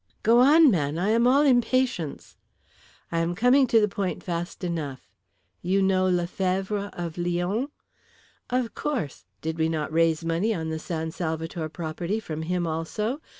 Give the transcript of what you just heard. "Go on, man. I am all impatience." "I am coming to the point fast enough. You know Lefevre of Lyons?" "Of course. Did we not raise money on the San Salvator property from him also?